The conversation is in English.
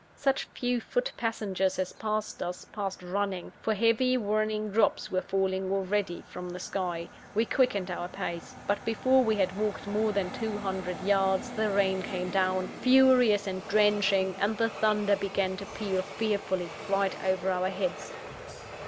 Such few foot passengers as passed us, passed running for heavy, warning drops were falling already from the sky. We quickened our pace; but before we had walked more than two hundred yards, the rain came down, furious and drenching; and the thunder began to peal fearfully, right over our heads.